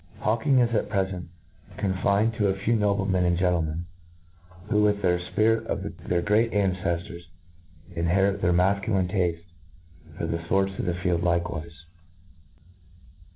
Hawking is at prcfent confi ned to a few noblemen and gentlemen, who, with the fpirit of their great anceftors, inherit their mafculine tafte for the fports of the field likewife.